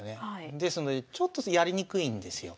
ですのでちょっとやりにくいんですよ。